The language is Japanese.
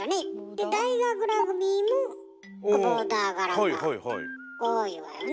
で大学ラグビーもボーダー柄が多いわよね。